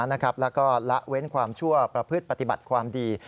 แล้วก็ละเว้นความชั่วประพฤติปฏิบัติความดี